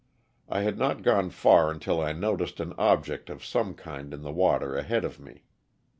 I had not gone far until I noticed an object of some kind in the water ahead of me.